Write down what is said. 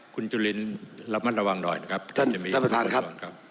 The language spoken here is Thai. คุณจุลินรับมั่นระวังหน่อยครับท่านท่านประธานครับ